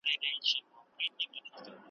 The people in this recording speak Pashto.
کرۍ ورځ به پر باوړۍ نه ګرځېدلای `